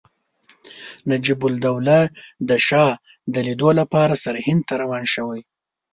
نجیب الدوله د شاه د لیدلو لپاره سرهند ته روان شوی.